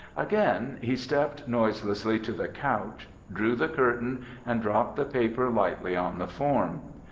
Again he stepped noiselessly to the couch, drew the curtain and dropped the paper lightly on the form.